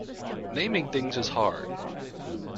Naming things is hard.